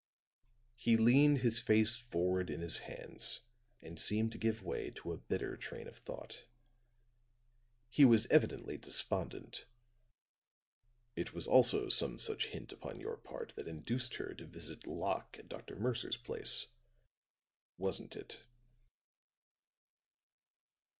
He leaned his face forward in his hands and seemed to give way to a bitter train of thought. He was evidently despondent. "It was also some such hint upon your part that induced her to visit Locke at Dr. Mercer's place, wasn't it?"